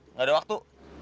nggak ada waktu